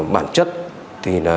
bản chất thì là